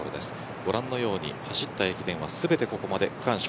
ご覧のように走った駅伝は全てここまで区間賞。